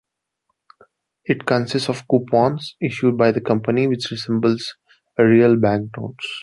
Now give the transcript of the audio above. It consists of coupons, issued by the company, which resembles real banknotes.